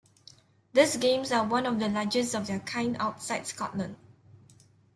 These Games are one of the largest of their kind outside Scotland.